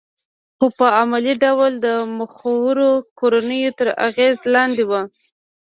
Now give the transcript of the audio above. خو په عملي ډول د مخورو کورنیو تر اغېز لاندې وه